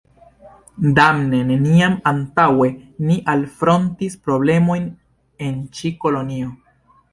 Damne, neniam antaŭe ni alfrontis problemojn en ĉi kolonio.